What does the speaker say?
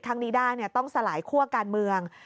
ทางนี้ได้เนี่ยต้องสลายคั่วการเมือง